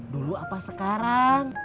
dulu apa sekarang